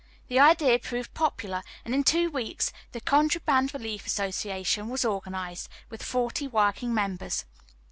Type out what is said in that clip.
The idea proved popular, and in two weeks "the Contraband Relief Association" was organized, with forty working members.